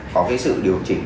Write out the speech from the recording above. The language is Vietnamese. có cái sự điều chỉnh